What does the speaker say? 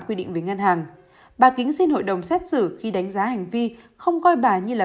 quy định về ngân hàng bà kính xin hội đồng xét xử khi đánh giá hành vi không coi bà như là